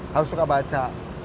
harus suka baca